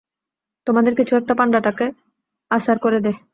তোমাদের কিছু একটা, পান্ডাটাকে অসাড় করে দেয়।